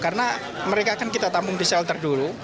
karena mereka kan kita tampung di shelter dulu